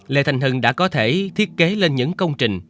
lê thanh hưng đã có thể thiết kế lên những công trình